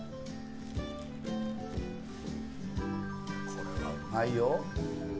これはうまいよ。